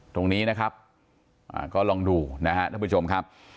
ตรงนี้นะครับก็ลองดูนะฮะท่านผู้ชมครับ